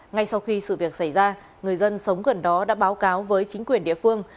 ngay sau khi sự việc xảy ra người dân sống gần đó đã báo cáo với chính quyền địa phương